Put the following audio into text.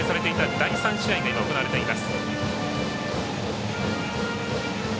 第３試合が行われています。